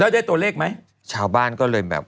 ได้ตัวเลขมั้ย